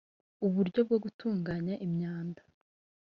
uburyo bwo gutunganya imyanda